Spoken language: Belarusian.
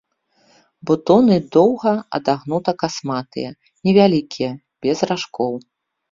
Бутоны доўга-адагнута-касматыя, невялікія, без ражкоў.